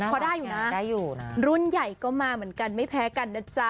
พอได้อยู่นะได้อยู่นะรุ่นใหญ่ก็มาเหมือนกันไม่แพ้กันนะจ๊ะ